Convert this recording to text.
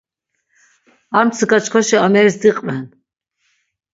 Armtsika çkvaşi ameris diqven.